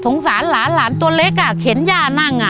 สงสารหลานโตเล็กเข็นย่านั่ง